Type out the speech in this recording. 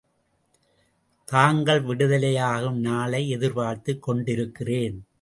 தாங்கள் விடுதலையாகும் நாளை எதிர்பார்த்துக் கொண்டிருக்கிறேன்.